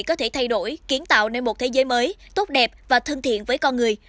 có thể thay đổi kiến tạo nên một thế giới mới tốt đẹp và thân thiện với con người